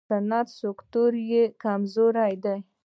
صنعتي سکتور یې کمزوری دی.